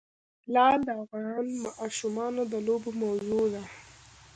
لعل د افغان ماشومانو د لوبو موضوع ده.